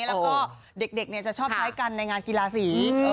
แล้วก็เด็กจะชอบใช้กันในงานกีฬาสี